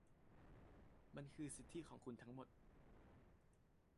มันคือสิทธิของคุณทั้งหมด